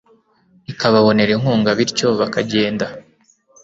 ikababonera inkunga bityo bakagenda